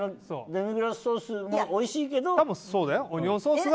デミグラスソースもおいしいけどって。